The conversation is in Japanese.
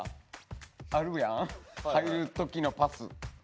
入る時のパス。